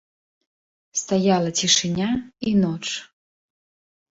Стаяла цішыня і ноч.